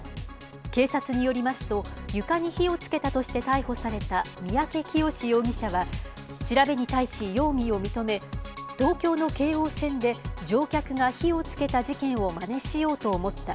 警察によりますと、床に火をつけたとして逮捕された三宅潔容疑者は調べに対し、容疑を認め、東京の京王線で乗客が火をつけた事件をまねしようと思った。